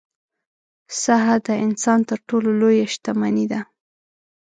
صحه د انسان تر ټولو لویه شتمني ده.